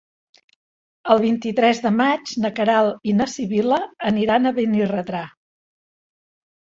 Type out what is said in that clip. El vint-i-tres de maig na Queralt i na Sibil·la aniran a Benirredrà.